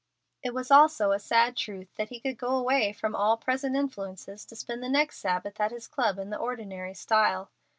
It was also a sad truth that he could go away from all present influences to spend the next Sabbath at his club in the ordinary style.